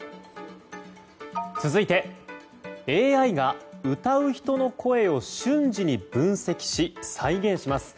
続いてＡＩが歌う人の声を瞬時に分析し、再現します。